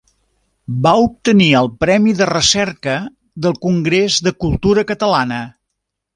Va obtenir el Premi de Recerca del Congrés de Cultura Catalana.